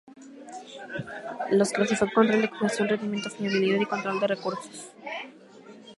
Los clasificó en control de congestión, rendimiento, fiabilidad y control de recursos.